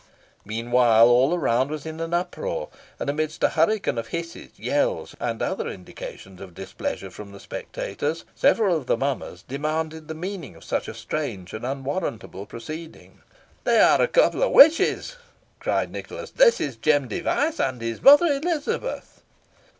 Meanwhile, all around was in an uproar, and amidst a hurricane of hisses, yells, and other indications of displeasure from the spectators, several of the mummers demanded the meaning of such a strange and unwarrantable proceeding. "They are a couple of witches," cried Nicholas; "this is Jem Device and his mother Elizabeth."